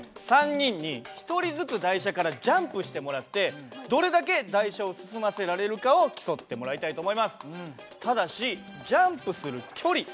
３人に１人ずつ台車からジャンプしてもらってどれだけ台車を進ませられるかを競ってもらいたいと思います。